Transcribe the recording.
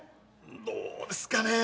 どうですかね